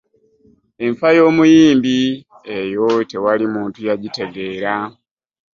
Enfa y'omuyimbi eyo tewali muntu yagitegeera.